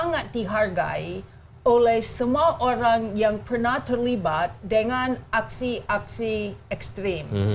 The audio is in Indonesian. sangat dihargai oleh semua orang yang pernah terlibat dengan aksi aksi ekstrim